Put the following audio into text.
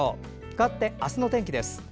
かわって明日の天気です。